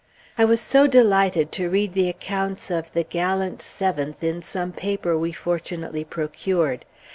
I was so delighted to read the accounts of the "gallant Seventh" in some paper we fortunately procured.